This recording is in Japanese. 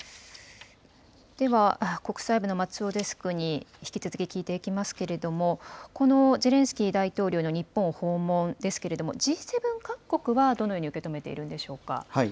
では、国際部の松尾デスクに引き続き聞いていきますけれども、このゼレンスキー大統領の日本訪問ですけれども、Ｇ７各国はどのように受け止めているんでしょうか。